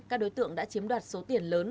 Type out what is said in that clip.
các đối tượng đã chiếm đoạt số tiền lớn